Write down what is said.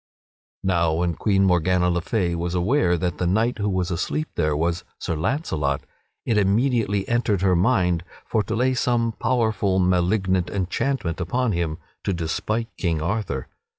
Now when Queen Morgana le Fay was aware that the knight who was asleep there was Sir Launcelot, it immediately entered her mind for to lay some powerful, malignant enchantment upon him to despite King Arthur.